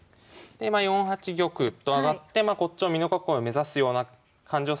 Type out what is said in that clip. でまあ４八玉と上がってこっちも美濃囲いを目指すような感じをさせておく。